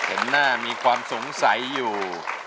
เห็นหน้ามีความสงสัยอยู่